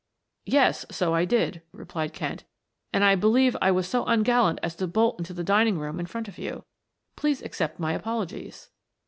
"Yes, so I did," replied Kent. "And I believe I was so ungallant as to bolt into the dining room in front of you. Please accept my apologies."